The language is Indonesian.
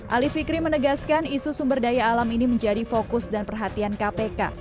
ali fikri menegaskan isu sumber daya alam ini menjadi fokus dan perhatian kpk